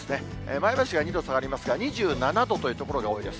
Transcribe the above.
前橋が２度下がりますが、２７度という所が多いです。